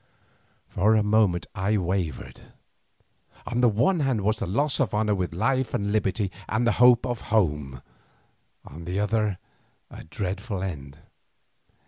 For a moment I wavered. On the one hand was the loss of honour with life and liberty and the hope of home, on the other a dreadful end.